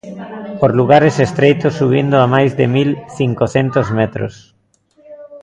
Por lugares estreitos, subindo a máis de mil cincocentos metros.